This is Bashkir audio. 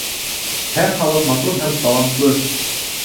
Һәр халыҡ матур һәм талантлы